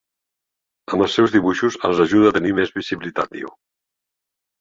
Amb els meus dibuixos els ajudo a tenir més visibilitat, diu.